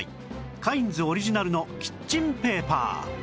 カインズオリジナルのキッチンペーパー